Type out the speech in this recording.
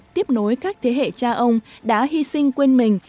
tiếp nối các thế hệ cha ông đã hy sinh quên mình